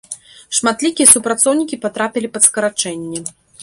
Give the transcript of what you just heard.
Шматлікія супрацоўнікі патрапілі пад скарачэнне.